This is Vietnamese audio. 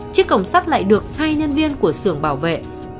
chiếc cổng xác lại được hai nhân viên của xưởng bảo vệ